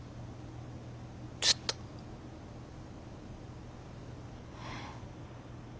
ずっと。え？